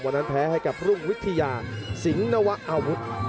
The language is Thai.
แพ้ให้กับรุ่งวิทยาสิงห์นวะอาวุธ